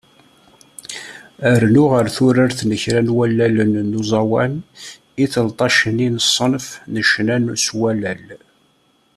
Rnu ɣer turart n kra n wallalen n uẓawan, i telṭac-nni n ṣṣenf n ccna s wallal.